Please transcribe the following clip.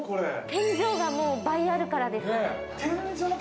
天井が倍あるからですね。